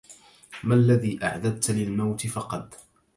ما الذي أعددت للموت فقد